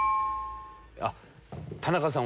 あっ田中さん